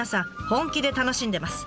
本気で楽しんでます。